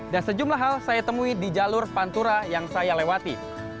dan sejumlah hal saya temui di jalur pantura yang saya lewati